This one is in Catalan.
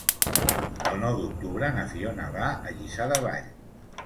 El nou d'octubre na Fiona va a Lliçà de Vall.